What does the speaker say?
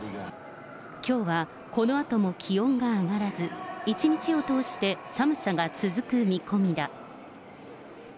きょうはこのあとも気温が上がらず、一日を通して寒さが続く見込みだ。